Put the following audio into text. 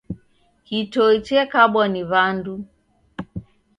Kitoi chekabwa ni wandu.